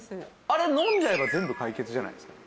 あれ飲んじゃえば全部解決じゃないですか？